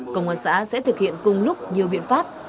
công an xã sẽ thực hiện cùng lúc nhiều biện pháp